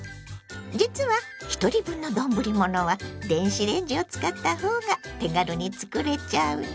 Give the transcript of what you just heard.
実はひとり分の丼ものは電子レンジを使ったほうが手軽に作れちゃうの。